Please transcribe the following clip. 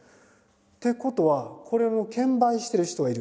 ってことはこれの券売してる人がいる。